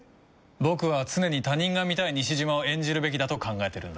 僕は常に他人が見たい西島を演じるべきだと考えてるんだ。